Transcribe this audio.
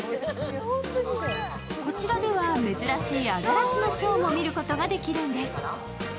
こちらでは珍しいアザラシのショーも見ることができるんです。